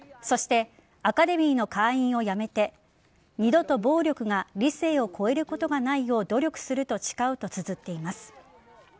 そしてアカデミーの会員をやめて二度と暴力が理性を超えることがないよう努力すると誓うとつづっています。